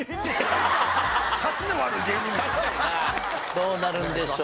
どうなるんでしょうか？